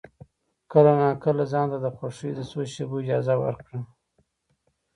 کله ناکله ځان ته د خوښۍ د څو شېبو اجازه ورکړه.